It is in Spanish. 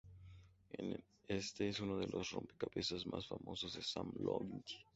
Este es uno de los rompecabezas más famosos de Sam Loyd.